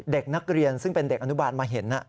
เด็กนักเรียนซึ่งเป็นเด็กอนุบาลมาเห็น